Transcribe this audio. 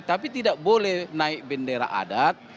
tapi tidak boleh naik bendera adat